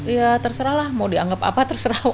ya terserahlah mau dianggap apa terserah